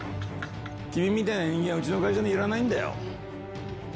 君みたいな人間はうちの会社にいらないんだよ。